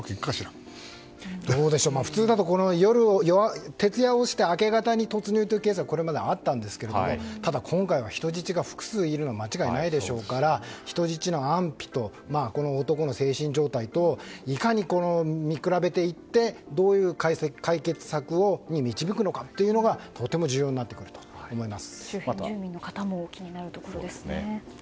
普通だと徹夜をして明け方に突入というケースはこれまであったんですが今回は人質が複数いるのは間違いないでしょうから人質の安否とこの男の精神状態といかに見比べていってどういう解決策に導くかがとても重要になってくると思います。